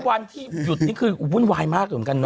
วันที่หยุดนี่คือวุ่นวายมากเหมือนกันเน